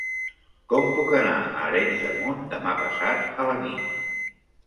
Com puc anar a Arenys de Munt demà passat a la nit?